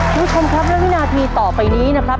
คุณผู้ชมครับและวินาทีต่อไปนี้นะครับ